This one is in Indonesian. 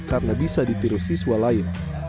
karena bisa ditiru siswa lain